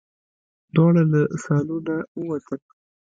دواړه له سالونه ووتل.